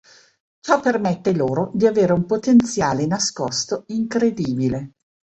Ciò permette loro di avere un potenziale nascosto incredibile.